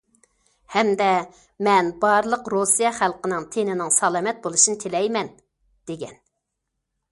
ھەمدە« مەن بارلىق رۇسىيە خەلقىنىڭ تېنىنىڭ سالامەت بولۇشىنى تىلەيمەن» دېگەن.